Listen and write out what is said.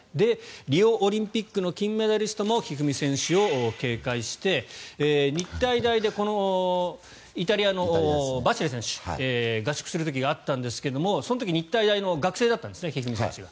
リオオリンピックの金メダリストも一二三選手を警戒して日体大でこのイタリアのバシレ選手合宿するときがあったんですがその時日体大の学生だったんですね一二三選手が。